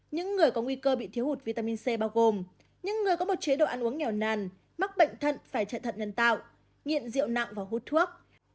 những người có nguy cơ bị thiếu hụt vitamin c bao gồm những người có một chế độ ăn uống nghèo nàn mắc bệnh thận phải chạy thận nhân tạo nghiện rượu nặng và hút thuốc